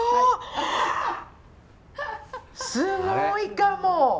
すごいかも！